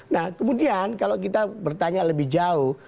nah kemudian kalau kita bertanya lebih jauh